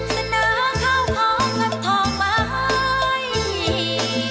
สนาข้าวพร้อมกับทองไม้